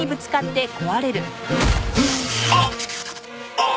あっ！